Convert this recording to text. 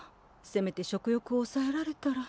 せめて食欲をおさえられたら。